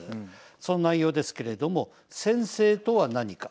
その内容ですけれども専制とは何か。